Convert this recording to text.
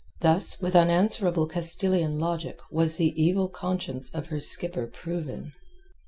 Thus, with unanswerable Castilian logic was the evil conscience of her skipper proven.